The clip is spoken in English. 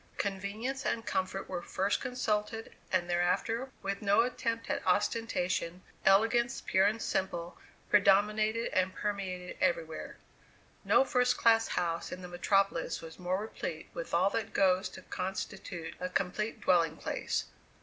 Convenience and comfort were first consulted, and thereafter, with no attempt at ostentation, elegance, pure and simple, predominated and permeated everywhere. No first class house in the metropolis was more replete with all that goes to constitute a complete dwelling place.